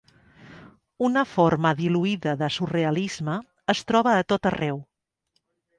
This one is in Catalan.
una forma diluïda de surrealisme es troba a tot arreu.